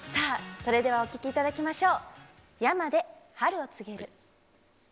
それではお聴きいただきましょう。